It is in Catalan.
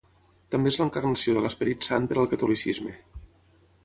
També és l'encarnació de l'Esperit Sant per al catolicisme.